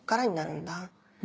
ん？